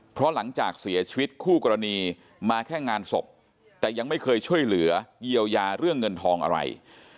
เพราะหลังจากเสียชีวิตคู่กรณีมาแค่งานศพแต่ยังไม่เคยช่วยเหลือเยียวยาเรื่องเงินทองอะไร